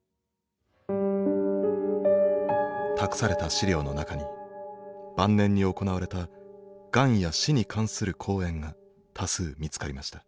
託された資料の中に晩年に行われたがんや死に関する講演が多数見つかりました。